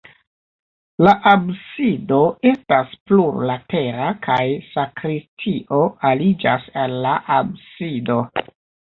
La absido estas plurlatera kaj sakristio aliĝas al la absido.